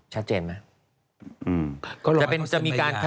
ชัดเจนไหม